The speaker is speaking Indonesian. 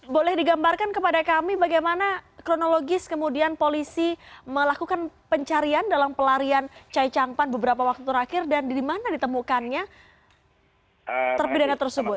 boleh digambarkan kepada kami bagaimana kronologis kemudian polisi melakukan pencarian dalam pelarian chai changpan beberapa waktu terakhir dan di mana ditemukannya terpidana tersebut